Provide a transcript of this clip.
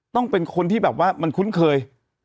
ต้องเป็นคนที่แบบว่ามันคุ้นเคย